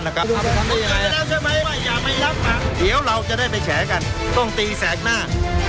นะคะอย่าไม่รับเดี๋ยวเราจะได้ไปแฉกันต้องตีแสกหน้า